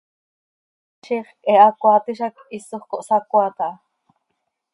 Ziix quih he hacoaat hizac hisoj cohsacoaat aha.